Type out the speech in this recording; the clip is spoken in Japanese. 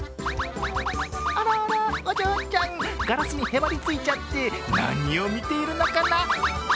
あらあら、お嬢ちゃんガラスにへばりついちゃって何を見ているのかな？